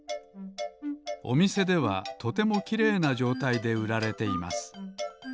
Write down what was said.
おみせではとてもきれいなじょうたいでうられています。